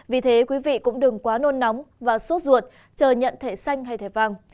vì thế quý vị cũng đừng quá nôn nóng và sốt ruột chờ nhận thể xanh hay thể vàng